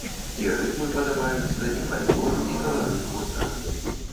І рытмы падабаюцца, і фальклор, і каларыт гурта.